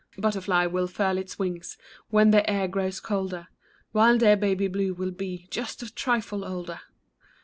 Butterfly will furl its wings When the air grows colder ; While dear Baby Blue will be Just a trifle older